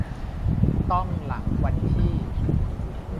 ต้องหลังวันที่